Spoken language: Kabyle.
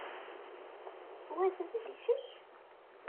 Wa d adlis-ik?